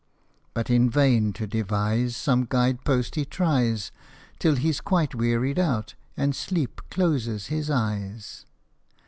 But in vain to devise Some guide post he tries, Till he 's quite wearied out, and sleep closes his eyes.